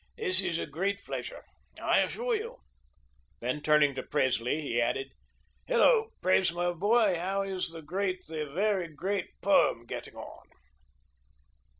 This is a great pleasure, I assure you." Then, turning to Presley, he added: "Hello, Pres, my boy. How is the great, the very great Poem getting on?"